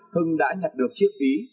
hưng đã nhận được chiếc bánh sinh nhật